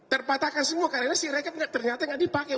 terpatahkan semua karena si rakyat ternyata tidak dipakai